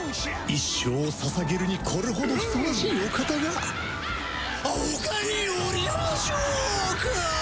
一生を捧げるにこれほどふさわしいお方が他におりましょうか！